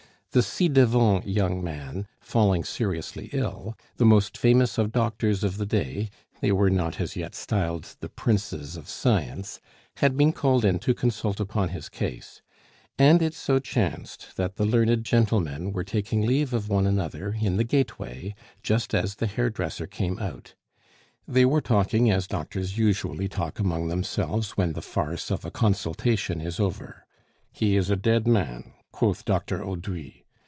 The ci devant young man, falling seriously ill, the most famous of doctors of the day (they were not as yet styled the "princes of science") had been called in to consult upon his case; and it so chanced that the learned gentlemen were taking leave of one another in the gateway just as the hairdresser came out. They were talking as doctors usually talk among themselves when the farce of a consultation is over. "He is a dead man," quoth Dr. Haudry.